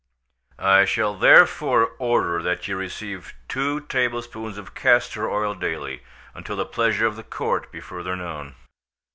I shall therefore order that you receive two tablespoonfuls of castor oil daily, until the pleasure of the court be further known."